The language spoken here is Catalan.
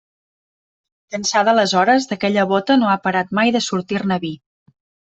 D'ençà d'aleshores, d'aquella bóta no ha parat mai de sortir-ne vi.